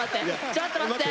ちょっと待って！